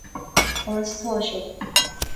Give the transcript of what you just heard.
Conas atá sé